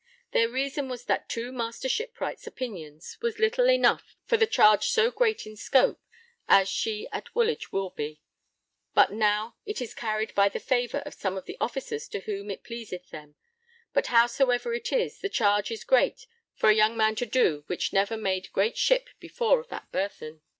Their reason was that two Master Shipwrights' opinions was little enough for the charge so great in scope as she at Woolwich will be, but now it is carried by the favour of some of the Officers to whom it pleaseth them; but howsoever it is, the charge is great for a young man to do which never made great ship before of that burthen.